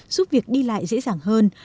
giúp việc đi lại dễ dàng hơn